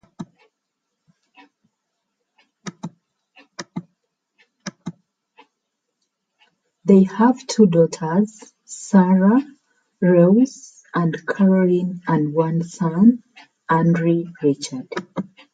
They have two daughters, Sarah Louise and Caroline, and one son, Andrew Richard.